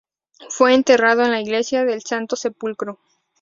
Fue enterrado en la Iglesia del Santo Sepulcro.